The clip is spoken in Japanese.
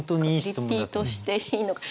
リピートしていいのか。